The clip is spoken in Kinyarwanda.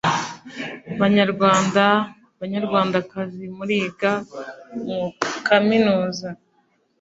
Banyarwanda ,banyarwandakazi muriga mukaminuza